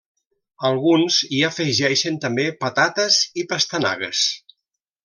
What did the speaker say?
Alguns hi afegeixen també patates i pastanagues.